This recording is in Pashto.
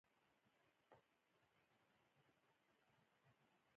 طبیعي زیرمې د افغانستان د ملي هویت یوه ډېره ښکاره او څرګنده نښه ده.